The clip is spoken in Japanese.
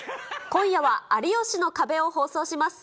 今夜は有吉の壁を放送します。